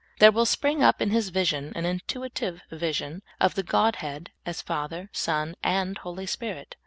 There will spring up in his vision an intuitive vision of the Godhead as Father, Son, and Holy Spirit.